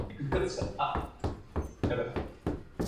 The next day duke died.